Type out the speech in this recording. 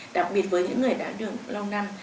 đặc biệt với những người đeo đường lâu năm